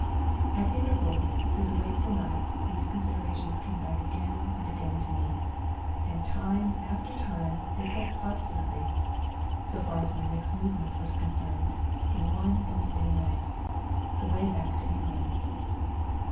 At intervals through the wakeful night these considerations came back again and again to me; and time after time they pointed obstinately (so far as my next movements were concerned) in one and the same way the way back to England.